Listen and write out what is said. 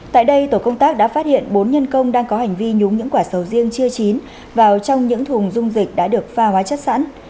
tại đây tổ công tác đã phát hiện bốn nhân công đang có hành vi nhúng những quả sầu riêng chưa chín vào trong những thùng dung dịch đã được pha hóa chất sẵn